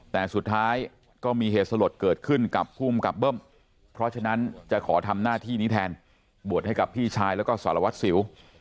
แต่สุดท้ายก็มีเหตุสลดเกิดขึ้นกับภูมิกับเบิ้มเพราะฉะนั้นจะขอทำหน้าที่นี้แทนบวชให้กับพี่ชายแล้วก็สารวัตรสิว